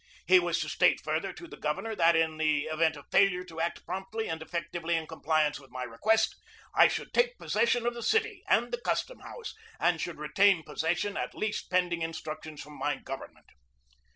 He was to state further to the governor that, in the event of failure to act promptly and effectively in compliance with my request, I should take possession of the city and the custom house and 148 GEORGE DEWEY should retain possession at least pending instructions from my government.